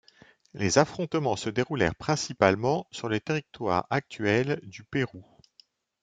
Les affrontements se déroulèrent principalement sur le territoire actuel du Pérou.